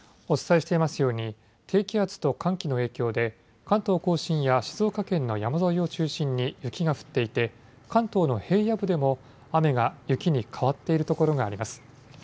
お伝えしてますように低気圧と寒気の影響で関東甲信や静岡県の山沿いを中心に雪が降っていて関東の平野部でも雨が雪に変わっているところがあります。